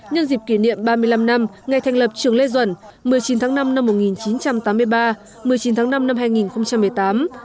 ngày thành lập trường lê duẩn một mươi chín tháng năm năm một nghìn chín trăm tám mươi ba một mươi chín tháng năm năm hai nghìn một mươi tám